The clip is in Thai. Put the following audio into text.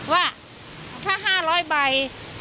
ว่าถ้า๕๐๐ใบ